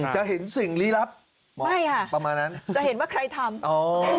จะเห็นสิ่งลีลับประมาณนั้นไม่จะเห็นว่าใครทำ